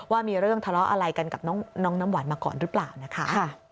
ว่ามีเรื่องทะเลาะอะไรกันกับน้องน้ำหวานมาก่อนหรือเปล่านะคะ